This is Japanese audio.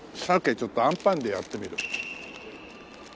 ちょっとあんぱんでやってみる。